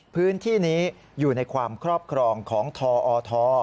พื้นที่นี้อยู่ในความครอบครองของทอท